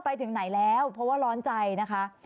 ไปถึงไหนแล้วเพราะว่าร้อนใจนะคะ